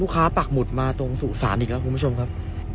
ค้าปักหมุดมาตรงสู่ศาลอีกแล้วคุณผู้ชมครับ